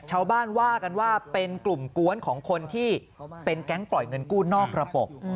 ชาวบ้านว่ากันว่าเป็นกลุ่มกวนของคนที่เป็นแก๊งปล่อยเงินกู้นอกระบบ